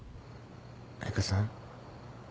彩佳さん。